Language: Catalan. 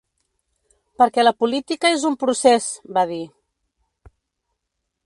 Perquè la política és un procés, va dir.